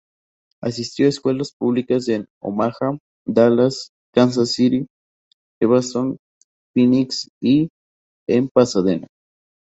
Asistió a escuelas públicas de Omaha, Dallas, Kansas City, Evanston, Phoenix, y en Pasadena.